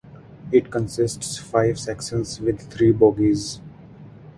It consists five sections with three bogies.